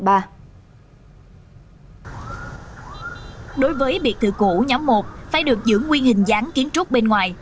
đối với biệt thự cũ nhóm một phải được giữ nguyên hình dáng kiến trúc bên ngoài